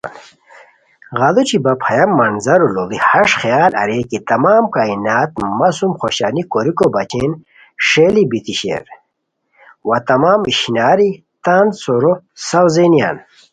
غیڑوچی بپ ہیہ منظرو لوڑی ہݰ خیال اریر کی تمام کائنات مہ سُم خوشانی کوریکو بچین ݰئیلی بیتی شیر وا تمام اشناری تان سورو ساؤزینیان